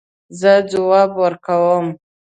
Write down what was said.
زه ځواب ورکوم